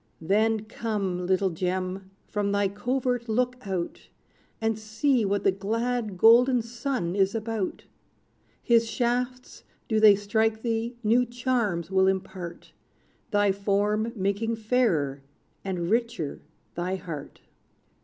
Then, come, little gem, from thy covert look out; And see what the glad, golden sun is about! His shafts, do they strike thee, new charms will impart, Thy form making fairer, and richer, thy heart.